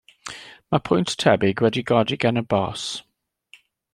Mae pwynt tebyg wedi'i godi gan y bòs.